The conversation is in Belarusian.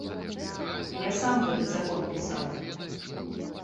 Я сам гэты закон пісаў.